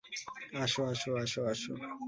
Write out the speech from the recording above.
আসো, আসো, আসো, আসো!